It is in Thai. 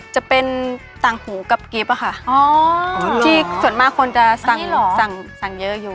จะเป็นตังฮูกับกิ๊บค่ะที่ส่วนมากคนจะสั่งเยอะอยู่อ่าอ๋อ